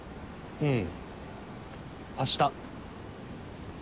うん。